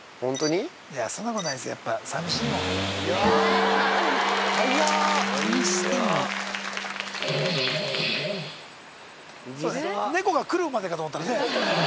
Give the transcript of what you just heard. にしても猫が来るまでかと思ったらね。